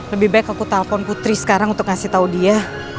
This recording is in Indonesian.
lebih baik aku telpon putri sekarang untuk ngasih tahu dia